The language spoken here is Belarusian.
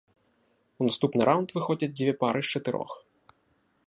У наступны раўнд выходзяць дзве пары з чатырох.